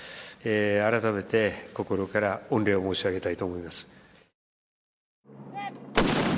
改めて心から御礼を申し上げたいと思います。